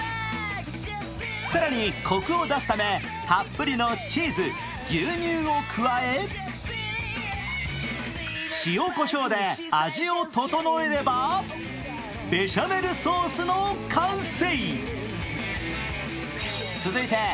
更にコクを出すためたっぷりのチーズ、牛乳を加え塩こしょうで味を整えればベシャメルソースの完成。